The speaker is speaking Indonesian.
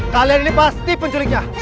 kalian ini pasti penculiknya